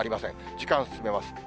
時間進めます。